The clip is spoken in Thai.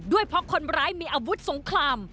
ด้วยเพราะคนร้ายมีอาวุธสงคราม